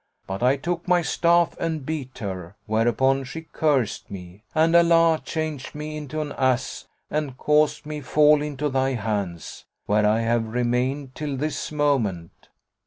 But I took my staff and beat her, whereupon she cursed me and Allah changed me into an ass and caused me fall into thy hands, where I have remained till this moment.